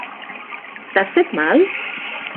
T'has fet mal?